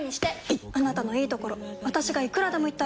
いっあなたのいいところ私がいくらでも言ってあげる！